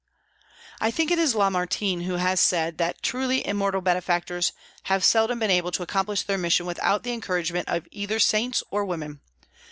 I think it is Lamartine who has said that truly immortal benefactors have seldom been able to accomplish their mission without the encouragement of either saints or women.